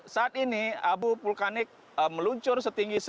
saat ini abu vulkanik meluncur setinggi satu meter